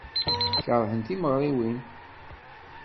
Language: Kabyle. Keṛhen timeɣriwin.